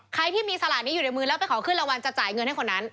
ใครที่มีสลากนี้อยู่ในมือแล้วไปขอขึ้นรางวัลจะจ่ายเงินให้คนนั้น